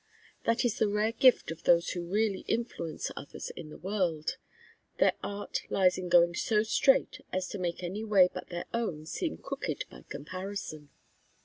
That is the rare gift of those who really influence others in the world. Their art lies in going so straight as to make any way but their own seem crooked by comparison.